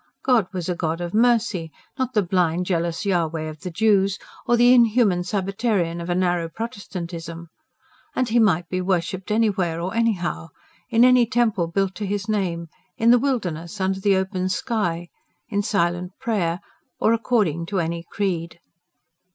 God was a God of mercy, not the blind, jealous Jahveh of the Jews, or the inhuman Sabbatarian of a narrow Protestantism. And He might be worshipped anywhere or anyhow: in any temple built to His name in the wilderness under the open sky in silent prayer, or according to any creed.